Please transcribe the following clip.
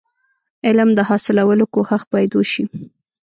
علم د حاصلولو کوښښ باید وسي.